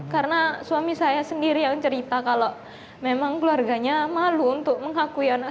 karena suami saya sendiri yang cerita kalau memang keluarganya malu untuk mengakui anak